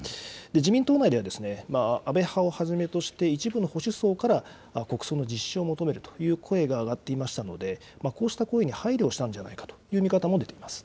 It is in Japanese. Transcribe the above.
自民党内では、安倍派をはじめとして、一部の保守層から国葬の実施を求めるという声が上がっていましたので、こうした声に配慮をしたんじゃないかという見方も出ています。